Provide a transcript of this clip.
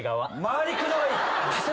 回りくどい。